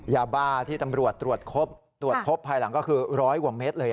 ยาบ้าที่ตำรวจตรวจค้นตรวจพบภายหลังก็คือร้อยกว่าเมตรเลย